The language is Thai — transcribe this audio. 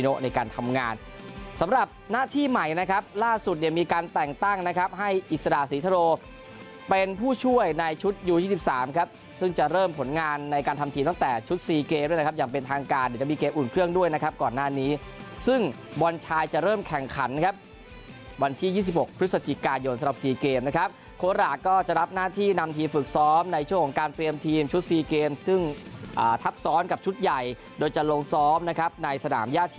ชุดสีเกมด้วยนะครับอย่างเป็นทางการเดี๋ยวจะมีเกมอุ่นเครื่องด้วยนะครับก่อนหน้านี้ซึ่งบอลชายจะเริ่มแข่งขันนะครับวันที่ยี่สิบหกพฤศจิกายนสำหรับสีเกมนะครับโคลาก็จะรับหน้าที่นำทีมฝึกซ้อมในช่วงของการเตรียมทีมชุดสีเกมซึ่งอ่าทับซ้อนกับชุดใหญ่โดยจะลงซ้อมนะครับในสนามย